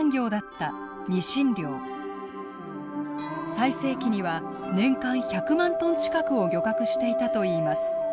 最盛期には年間１００万トン近くを漁獲していたといいます。